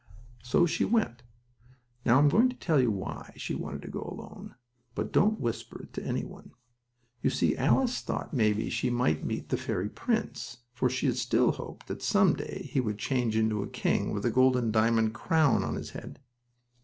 So off she went. Now I'm going to tell you why she wanted to go alone, but don't whisper it to any one. You see, Alice thought maybe she might meet the fairy prince, for she still hoped that some day he would change into a king with a golden diamond crown on his head.